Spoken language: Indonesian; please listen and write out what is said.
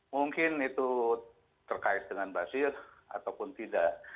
mungkin itu terkait dengan basir ataupun tidak